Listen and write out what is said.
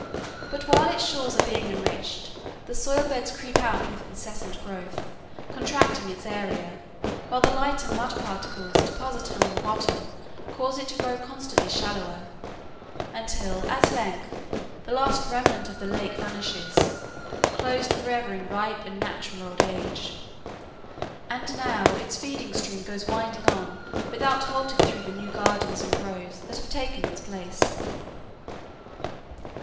But while its shores are being enriched, the soil beds creep out with incessant growth, contracting its area, while the lighter mud particles deposited on the bottom cause it to grow constantly shallower, until at length the last remnant of the lake vanishes,—closed forever in ripe and natural old age. And now its feeding stream goes winding on without halting through the new gardens and groves that have taken its place.